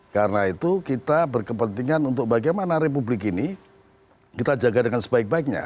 karena itu kita berkepentingan untuk bagaimana republik ini kita jaga dengan sebaik baiknya